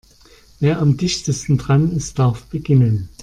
Wer am dichtesten dran ist, darf beginnen.